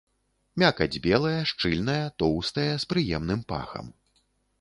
Мякаць белая, шчыльная, тоўстая, з прыемным пахам.